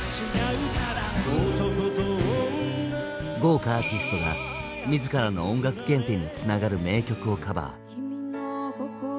豪華アーティストが自らの音楽原点につながる名曲をカバー。